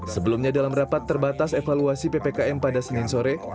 sebelumnya dalam rapat terbatas evaluasi ppkm pada senin sore